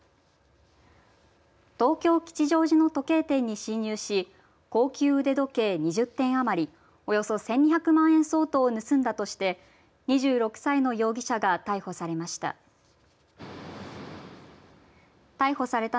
東京、吉祥寺の時計店に侵入し高級腕時計２０点余りおよそ１２００万円相当を盗んだとして２６歳の容疑者が逮捕されました。